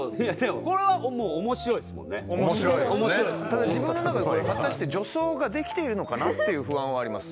ただ自分の中で果たして女装ができているのかなっていう不安はあります。